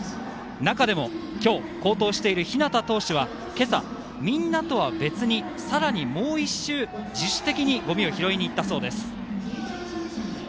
中でも今日好投している日當投手はみんなとは別に、さらにもう１周自主的にゴミ拾いに行ったそうです。